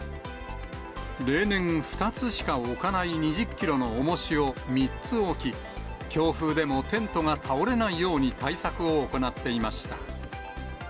例年、２つしか置かない２０キロの重しを３つ置き、強風でもテントが倒れないように対策を行っていました。